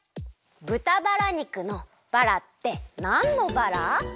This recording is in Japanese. ぶたバラ肉のバラってなんのバラ？